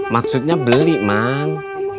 maksudnya beli mang